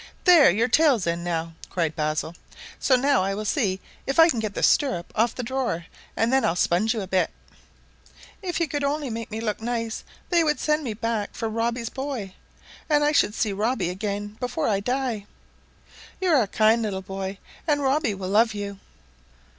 "There! your tail's in now," cried Basil. "So now I will see if I can get the stirrup off the drawer; then I'll sponge you a bit." "If you could only make me look nice they would send me back for Robbie's boy, and I should see Robbie again before I die. You are a kind little boy, and Robbie will love you."